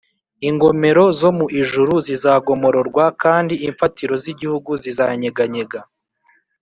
ingomero zo mu ijuru zizagomororwa kandi imfatiro z igihugu zizanyeganyega